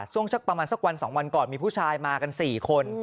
สักประมาณสักวัน๒วันก่อนมีผู้ชายมากัน๔คน